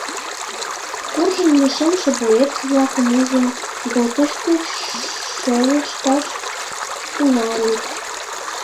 Куржын лишемше боец-влакым ужын, ДОТ-ышт гыч шелышташ тӱҥальыч.